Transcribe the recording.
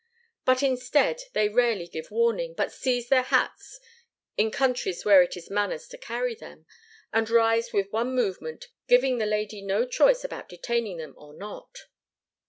But, instead, they rarely give warning, but seize their hats, in countries where it is manners to carry them, and rise with one movement, giving the lady no choice about detaining them or not.